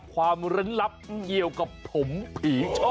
ความลับเกี่ยวกับผมผีช่อ